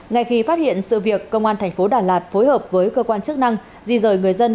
ngay khi phát hiện sự việc công an thành phố đà lạt phối hợp với cơ quan chức năng di rời người dân